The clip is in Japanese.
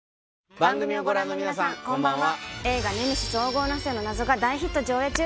番組をご覧の皆さんこんばんは。